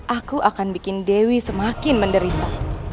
aku akan bikin dewi semakin menderita